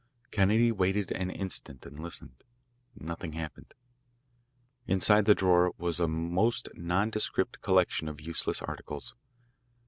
Kennedy waited an instant and listened. Nothing happened. Inside the drawer was a most nondescript collection of useless articles.